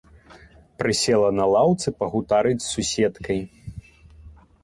Прысела на лаўцы пагутарыць з суседкай.